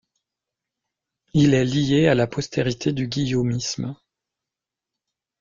Il est lié à la postérité du guillaumisme.